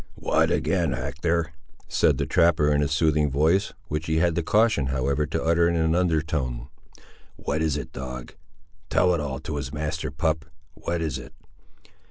"What; again, Hector!" said the trapper in a soothing voice, which he had the caution, however, to utter in an under tone; "what is it, dog? tell it all to his master, pup; what is it?"